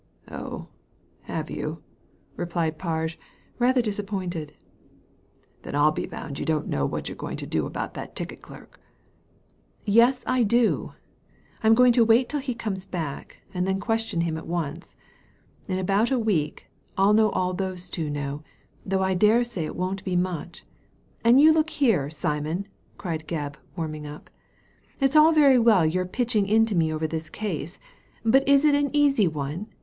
"Oh, have you?" returned Parge, rather disap pointed. " Then I'll be bound you don't know what you're going to do about that ticket clerk." ''Yes, I do. I'm going to wait till he comes back, and then question him at once. In about a week I'll know all those two know, though I dare say it won't be much. And look you here, Simon," cried Gebb, warming up, "it's all very well your pitching into me over this case ; but is it an easy one